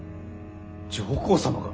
上皇様が！？